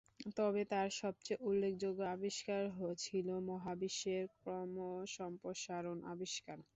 তবে তার সবচেয়ে উল্লেখযোগ্য আবিষ্কার ছিল মহাবিশ্বের ক্রম সম্প্রসারণ আবিষ্কার।